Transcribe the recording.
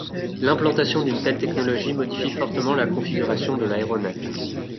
L'implantation d'une telle technologie modifie fortement la configuration de l'aéronef.